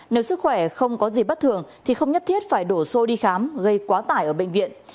nếu sức khỏe không có gì bất thường thì không nhất thiết phải đổ xô đi khám gây quá tải ở bệnh viện